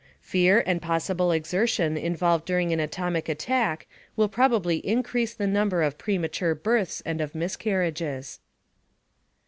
Fear and possible exertion involved during an atomic attack will probably increase the number of premature births and of miscarriages.